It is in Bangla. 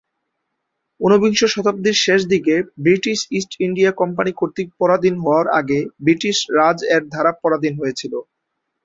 উনবিংশ শতাব্দীর শেষদিকে ব্রিটিশ ইস্ট ইন্ডিয়া কোম্পানি কর্তৃক পরাধীন হওয়ার আগে ব্রিটিশ রাজ এর দ্বারা পরাধীন হয়েছিল।